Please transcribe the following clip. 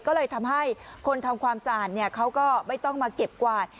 ก็เลยทำให้คนทำความสะอาดเขาก็ไม่ต้องมาเก็บกวาด